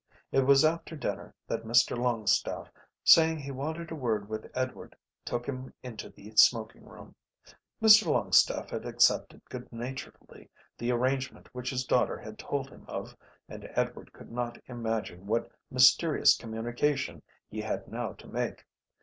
It was after dinner that Mr Longstaffe, saying he wanted a word with Edward, took him into the smoking room. Mr Longstaffe had accepted good naturedly the arrangement which his daughter had told him of and Edward could not imagine what mysterious communication he had now to make.